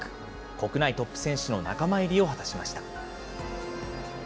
国内トップ選手の仲間入りを果たしました。